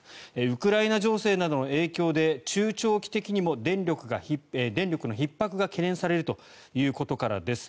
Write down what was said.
ウクライナ情勢などの影響で中長期的にも電力のひっ迫が懸念されるということからです。